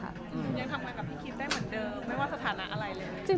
ยังทำงานกับพี่คิดได้เหมือนเดิมไม่ว่าสถานะอะไรเลย